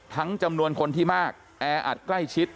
จำนวนคนที่มากแออัดใกล้ชิด